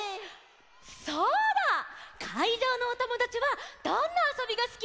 そうだ！かいじょうのおともだちはどんなあそびがすき？